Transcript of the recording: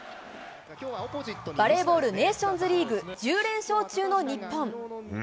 バレーボールネーションズリーグ、１０連勝中の日本。